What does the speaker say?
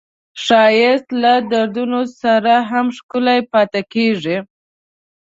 ښایست له دردونو سره هم ښکلی پاتې کېږي